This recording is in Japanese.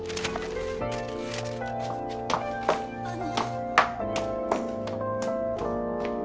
あの。